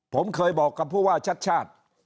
ผมเคยบอกกับผู้ว่าชัดชาติ